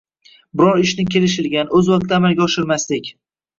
Biron ishni kelishilgan, o‘z vaqtida amalga oshirmaslik